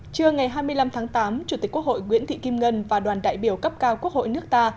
trưa ngày hai mươi năm tháng tám chủ tịch quốc hội nguyễn thị kim ngân và đoàn đại biểu cấp cao quốc hội nước ta